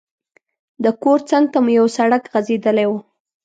د کور څنګ ته مو یو سړک غځېدلی وو.